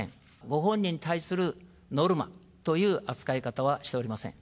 ご本人に対するノルマという扱い方はしておりません。